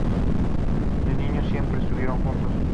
De niños siempre estuvieron juntos.